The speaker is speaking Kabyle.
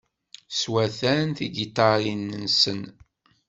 Swatan tigiṭarin-nsen.